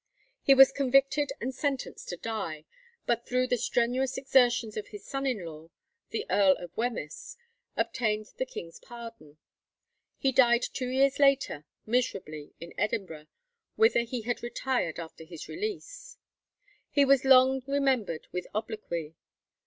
He was convicted and sentenced to die, but through the strenuous exertions of his son in law, the Earl of Wemyss, obtained the king's pardon. He died two years later, miserably, in Edinburgh, whither he had retired after his release. He was long remembered with obloquy.